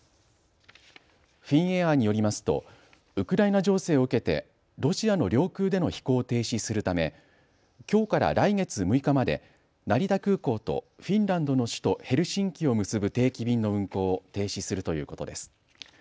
フィンエアーによりますとウクライナ情勢を受けてロシアの領空での飛行を停止するためきょうから来月６日まで成田空港とフィンランドの首都ヘルシンキを結ぶ定期便の運航を停止するということです。